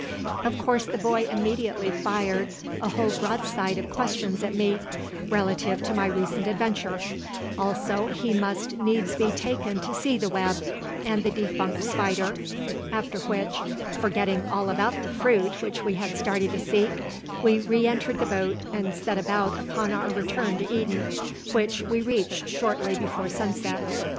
Of course the boy immediately fired a whole broadside of questions at me relative to my recent adventure, also he must needs be taken to see the web, and the defunct spider, after which, forgetting all about the fruit which we had started to seek, we re entered the boat and set out upon our return to Eden, which we reached shortly before sunset.